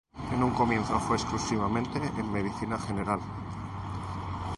En un comienzo fue exclusivamente en Medicina General.